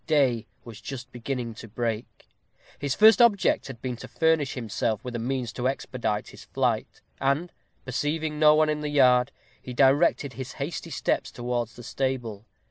Day was just beginning to break. His first object had been to furnish himself with means to expedite his flight; and, perceiving no one in the yard, he directed his hasty steps towards the stable.